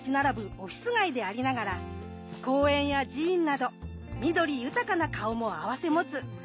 オフィス街でありながら公園や寺院など緑豊かな顔も併せ持つ観光客にも人気のエリアです。